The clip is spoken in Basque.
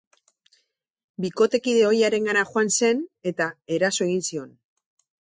Bikotekide ohiarengana joan zen, eta eraso egin zion.